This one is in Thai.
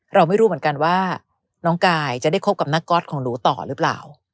เราไม่รู้เหมือนกันว่าน้องกายจะได้คบกับนักก๊อตของหนูต่อหรือเปล่า